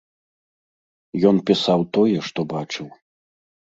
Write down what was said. Ён пісаў тое, што бачыў.